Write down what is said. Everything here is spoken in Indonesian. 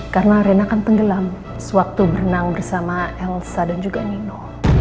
karena rena kan tenggelam sewaktu berenang bersama elsa dan juga nino